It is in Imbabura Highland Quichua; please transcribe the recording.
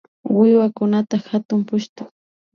Wiwakunata hatuy pushtu